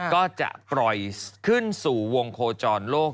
ก็จะปล่อยขึ้นสู่วงโคจรโลก